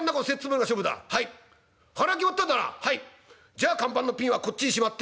「じゃあ看板のピンはこっちにしまって」。